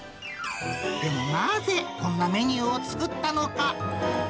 でもなぜ、こんなメニューを作ったのか。